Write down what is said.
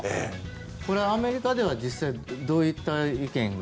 アメリカではどういった意見が。